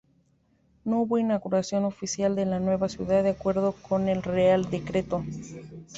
No hubo inauguración oficial de la nueva ciudad de acuerdo con el real decreto.